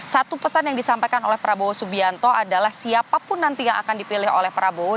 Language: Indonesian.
satu pesan yang disampaikan oleh prabowo subianto adalah siapapun nanti yang akan dipilih oleh prabowo